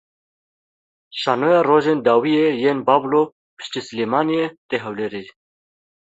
Şanoya Rojên Dawiyê yên Bablo piştî Silêmaniyê tê Hewlêrê.